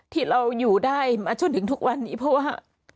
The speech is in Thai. ที่เราอยู่ได้มาจนถึงทุกวันนี้เพราะว่า